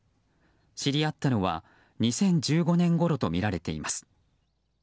知り合ったのは２０１５年ごろとみられています。